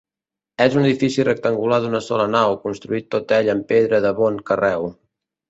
És un edifici rectangular d'una sola nau, construït tot ell en pedra de bon carreu.